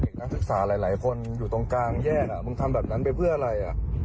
นักศึกษาหลายคนอยู่ตรงกลางแยกมึงทำแบบนั้นไปเพื่ออะไร